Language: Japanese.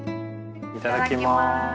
いただきます。